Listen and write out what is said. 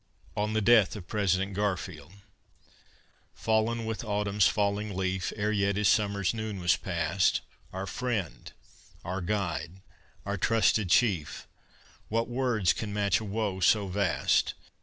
ON THE DEATH OF PRESIDENT GARFIELD I Fallen with autumn's falling leaf Ere yet his summer's noon was past, Our friend, our guide, our trusted chief, What words can match a woe so vast!